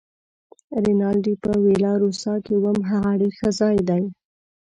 رینالډي: په ویلا روسا کې وم، هغه ډېر ښه ځای دی.